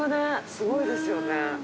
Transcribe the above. すごいですよね。